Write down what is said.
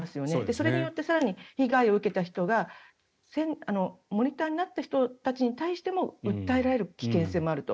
それによって更に被害を受けた人がモニターになった人たちに対しても訴えられる危険性もあると。